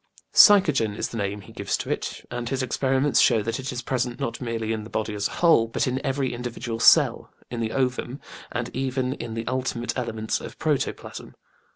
Psychogen is the name he gives to it, and his experiments show that it is present not merely in the body as a whole, but in every individual cell, in the ovum, and even in the ultimate elements of protoplasm.